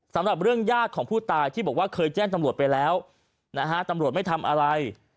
สำหรับเรื่องญาติของผู้ตายที่บอกว่าเคยแจ้งตำรวจไปแล้วนะฮะตำรวจไม่ทำอะไร